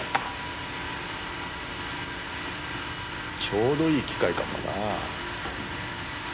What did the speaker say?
ちょうどいい機会かもな。